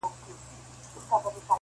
• خپل ترمنځه له یو بل سره لوبېږي,